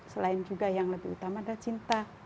selain juga yang lebih utama adalah cinta